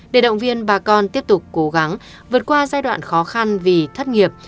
để động viên bà con tiếp tục cố gắng vượt qua giai đoạn khó khăn vì thất nghiệp